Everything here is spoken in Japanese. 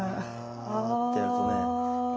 「あ」ってやるとね